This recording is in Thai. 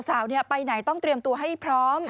สาวไปไหนต้องเตรียมตัวให้พร้อม